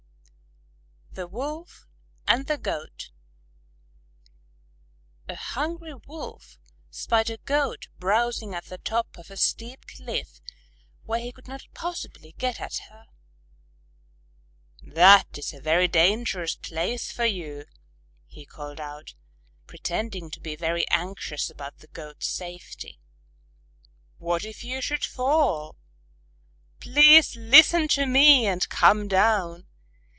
_ THE WOLF AND THE GOAT A hungry Wolf spied a Goat browsing at the top of a steep cliff where he could not possibly get at her. "That is a very dangerous place for you," he called out, pretending to be very anxious about the Goat's safety. "What if you should fall! Please listen to me and come down!